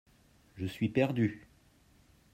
Je suis perdu.